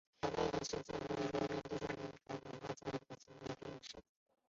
后来该原型测试的成功使印度得以进行量产化反应堆以用在歼敌者号的身上。